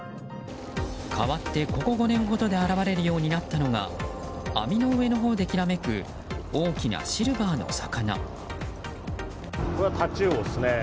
かわって、ここ５年ほどで現れるようになったのが網の上のほうできらめく大きなシルバーの魚。